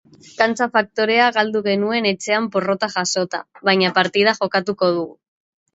Kantxa faktorea galdu genuen etxean porrota jasota, baina partida jokatuko dugu.